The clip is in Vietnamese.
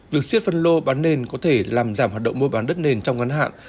việc siết phân lộ bán nền có thể làm giảm hoạt động môi bán đất nền trong ngắn hạn